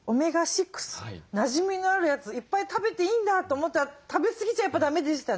なじみのあるやついっぱい食べていいんだと思ったら食べすぎちゃやっぱだめでしたね。